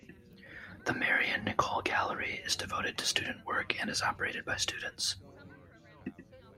The Marion Nicoll Gallery is devoted to student work and is operated by students.